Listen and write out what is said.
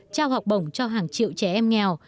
trao học bổng cho hàng triệu trẻ em nghèo